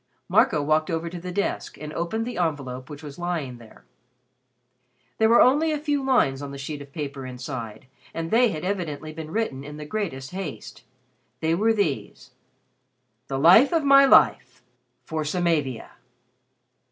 Marco walked over to the desk and opened the envelope which was lying there. There were only a few lines on the sheet of paper inside and they had evidently been written in the greatest haste. They were these: "The Life of my life for Samavia."